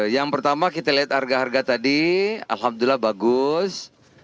yang pertama kita lihat harga harga tadi alhamdulillah bagus